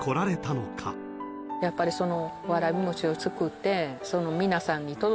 やっぱりその。